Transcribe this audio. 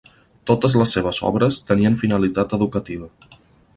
Totes les seves obres tenien finalitat educativa.